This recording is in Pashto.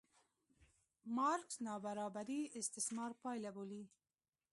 مارکس نابرابري استثمار پایله بولي.